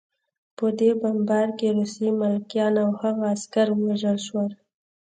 په دې بمبار کې روسي ملکیان او هغه عسکر ووژل شول